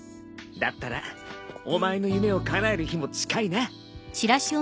だったらお前の夢をかなえる日も近いな。